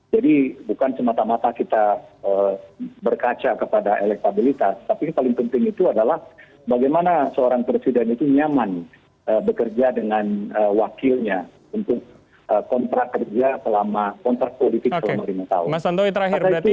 jadi bukan semata mata kita berkaca kepada elektabilitas tapi paling penting itu adalah bagaimana seorang presiden itu nyaman bekerja dengan wakilnya untuk kontrak kerja selama kontrak politik selama lima tahun